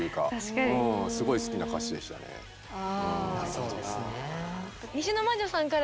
そうですね。